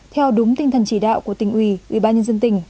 theo đúng tinh thần chỉ đạo của tỉnh ủy ủy ban nhân dân tỉnh